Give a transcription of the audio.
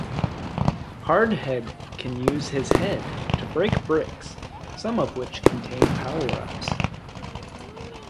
Hard Head can use his head to break bricks, some of which contain power-ups.